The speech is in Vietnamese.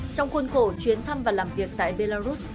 trong khuôn khổ chuyến thăm và làm việc tại belarus